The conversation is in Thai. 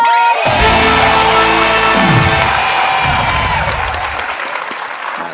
ดีริกซ์